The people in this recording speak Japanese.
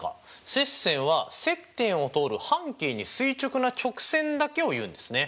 接線は接点を通る半径に垂直な直線だけを言うんですね。